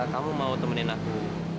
kamu mau temenin aku